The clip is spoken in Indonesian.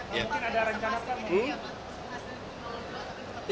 mungkin ada rencana kemudian untuk semasa kembali ke r satu